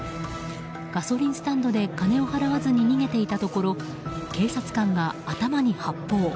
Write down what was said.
ガソリンスタンドで金を払わずに逃げていたところ警察官が頭に発砲。